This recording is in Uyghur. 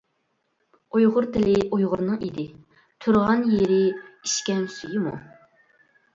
ئۇيغۇر تىلى ئۇيغۇرنىڭ ئىدى، تۇرغان يېرى ئىچكەن سۈيىمۇ.